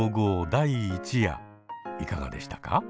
第１夜いかがでしたか？